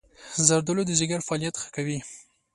زردآلو د ځيګر فعالیت ښه کوي.